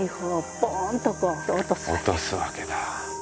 落とすわけだ。